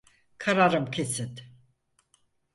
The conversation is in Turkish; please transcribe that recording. Kararım kesin.